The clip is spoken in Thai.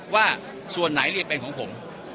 ว่าส่วนไหนเรียกเป็นของผม